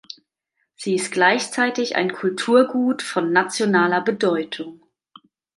Sie ist gleichzeitig ein Kulturgut von nationaler Bedeutung.